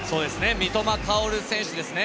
三笘薫選手ですね。